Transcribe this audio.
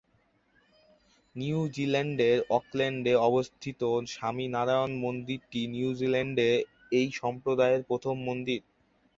নিউজিল্যান্ডের অকল্যান্ডে অবস্থিত স্বামীনারায়ণ মন্দিরটি নিউজিল্যান্ডে এই সম্প্রদায়ের প্রথম মন্দির।